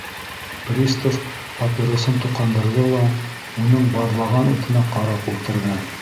Пристав папиросын тоҡандырҙы ла уның баҙлаған утына ҡарап ултырҙы.